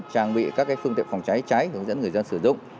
trang bị các phương tiện phòng cháy cháy hướng dẫn người dân sử dụng